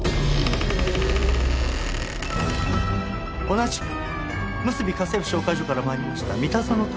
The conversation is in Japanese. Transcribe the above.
同じくむすび家政婦紹介所から参りました三田園と申します。